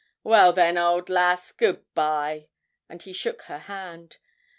'Well, then, old lass, good bye,' and he shook her hand.